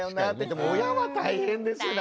でも親は大変ですよね